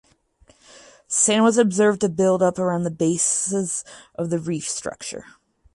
Sand was observed to build up around the bases of the reef structure.